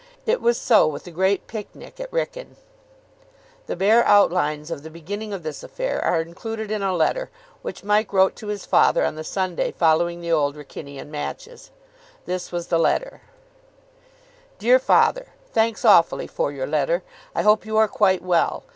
It was so with the great picnic at Wrykyn. The bare outlines of the beginning of this affair are included in a letter which Mike wrote to his father on the Sunday following the Old Wrykynian matches. This was the letter: "DEAR FATHER, Thanks awfully for your letter. I hope you are quite well.